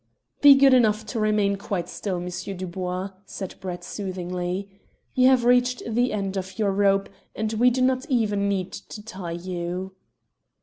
"Be good enough to remain quite still, M. Dubois," said Brett soothingly. "You have reached the end of your rope, and we do not even need to tie you."